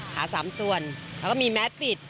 ๓ส่วนแล้วก็มีแมสปิด